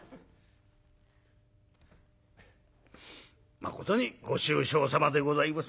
「まことにご愁傷さまでございます」。